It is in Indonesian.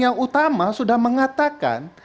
yang utama sudah mengatakan